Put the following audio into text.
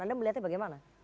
anda melihatnya bagaimana